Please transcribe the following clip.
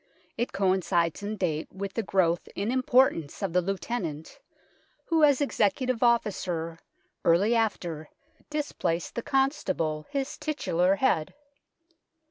It coincides in date with the growth in importance of the Lieutenant, who, as executive officer, early after displaced the Constable, his titular head.